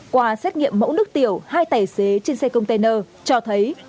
qua xét nghiệm mẫu nước tiểu hai tài xế trên xe container cho thấy